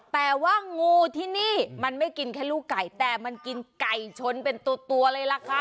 แต่ว่างูที่นี่มันไม่กินแค่ลูกไก่แต่มันกินไก่ชนเป็นตัวเลยล่ะค่ะ